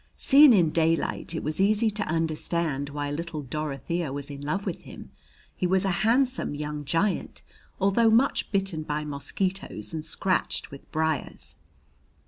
Seen in daylight it was easy to understand why little Dorothea was in love with him. He was a handsome young giant, although much bitten by mosquitoes and scratched with briers.